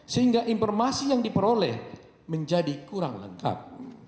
sehingga informasi yang diperoleh menjadi kurang lengkap